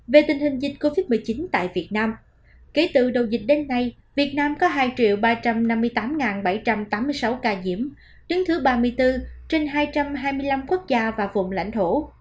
về tình hình dịch covid một mươi chín tại việt nam kể từ đầu dịch đến nay việt nam có hai ba trăm năm mươi tám bảy trăm tám mươi sáu ca nhiễm đứng thứ ba mươi bốn trên hai trăm hai mươi năm quốc gia và vùng lãnh thổ